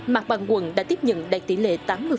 mặt bằng quận đã tiếp nhận đạt tỷ lệ tám mươi